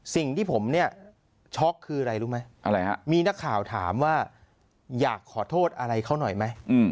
สิ่งที่ผมเนี่ยช็อกคืออะไรรู้ไหมอะไรฮะมีนักข่าวถามว่าอยากขอโทษอะไรเขาหน่อยไหม